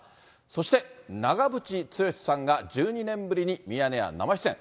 そして、長渕剛さんが１２年ぶりにミヤネ屋生出演。